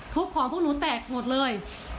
ของพวกหนูแตกหมดเลย